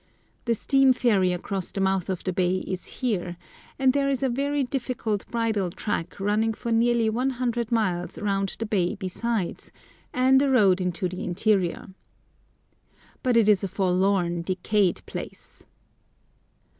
The steam ferry across the mouth of the bay is here, and there is a very difficult bridle track running for nearly 100 miles round the bay besides, and a road into the interior. But it is a forlorn, decayed place.